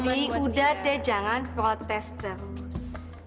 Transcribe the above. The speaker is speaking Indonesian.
udah deh jangan protes terus